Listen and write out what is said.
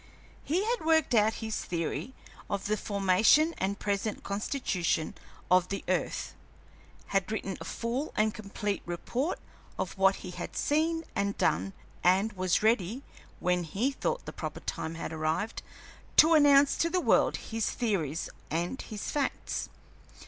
He had worked out his theory of the formation and present constitution of the earth; had written a full and complete report of what he had seen and done, and was ready, when he thought the proper time had arrived, to announce to the world his theories and his facts.